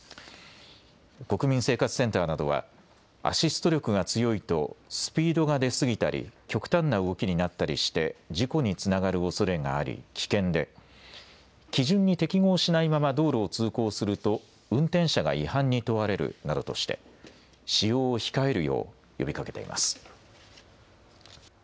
国民生活センターなどはアシスト力が強いとスピードが出過ぎたり極端な動きになったりして事故につながるおそれがあり危険で基準に適合しないまま道路を通行すると運転者が違反に問われるなどとして使用を控えるよう呼びかけています。